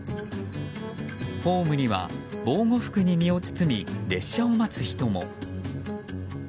ホームには防護服に身を包み列車を待つ人も。